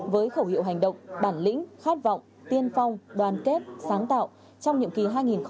ba với khẩu hiệu hành động bản lĩnh khát vọng tiên phong đoàn kết sáng tạo trong nhiệm ký hai nghìn hai mươi hai hai nghìn hai mươi bảy